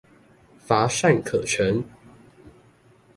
乏善可陳